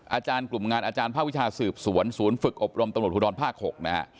อาจารย์กลุ่มงานอาจารย์ภาควิชาสืบสวนฝึกอบรมตำรวจฮุดรภาค๖